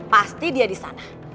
pasti dia di sana